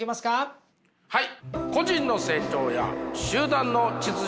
はい。